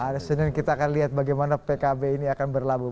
hari senin kita akan lihat bagaimana pkb ini akan berlabuh